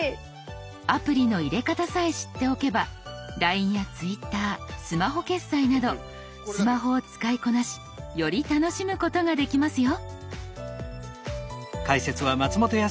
アプリの入れ方さえ知っておけばＬＩＮＥやＴｗｉｔｔｅｒスマホ決済などスマホを使いこなしより楽しむことができますよ。